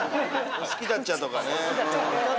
「好きだっちゃ」とかねうん。